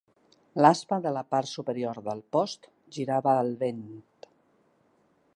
L'aspa de la part superior del post girava al vent.